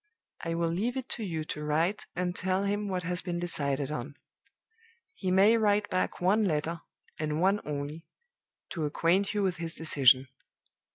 I will leave it to you to write and tell him what has been decided on. He may write back one letter, and one only, to acquaint you with his decision.